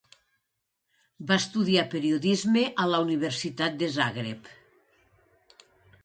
Va estudiar periodisme a la Universitat de Zagreb.